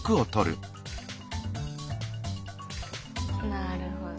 なるほど。